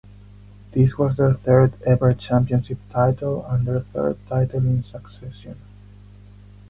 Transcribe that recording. This was their third ever championship title and their third title in succession.